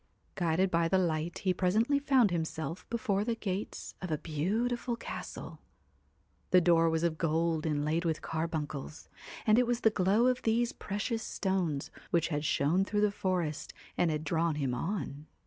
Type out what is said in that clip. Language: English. Guided by the light he presently found himself before the gates of a beautiful castle. The door was of gold inlaid with carbuncles, and it was the glow of these precious stones which had shone through the forest and had drawn him on.